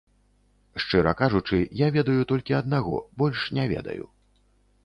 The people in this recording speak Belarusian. Шчыра кажучы, я ведаю толькі аднаго, больш не ведаю.